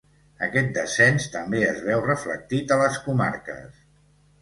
Aquest descens també es veu reflectit a les comarques.